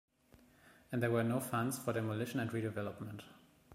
And there were no funds for demolition and redevelopment.